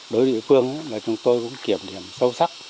đối với địa phương là chúng tôi cũng kiểm điểm sâu sắc